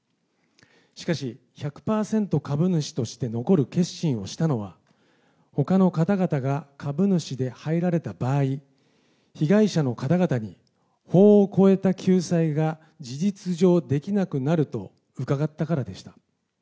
しかし、１００％株主として残る決心をしたのは、ほかの方々が株主で入られた場合、被害者の方々に法を超えた救済が事実上、できなくなると伺ったからでした。